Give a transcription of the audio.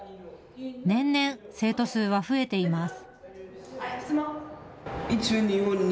年々、生徒数は増えています。